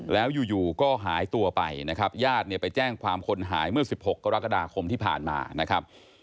แล้วอยู่ก็หายตัวไปญาติไปแจ้งความคนหายเมื่อ๑๖กรกฎาคมที่ผ่านมา